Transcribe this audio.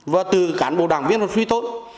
và từ cán bộ đảng viên suy tội